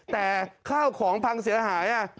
แต่ข้าวของพังเสียหาย